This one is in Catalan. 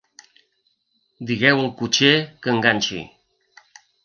Digueu al cotxer que enganxi.